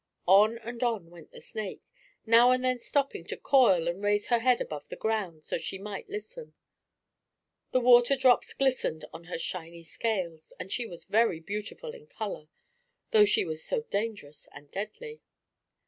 On and on went the snake, now and then stopping to coil and raise her head above the ground so she might listen. The water drops glistened on her shiny scales, and she was very beautiful in color, though she was so dangerous and deadly.